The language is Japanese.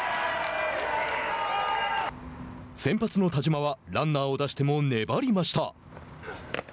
先発の田嶋はランナーを出しても粘りました。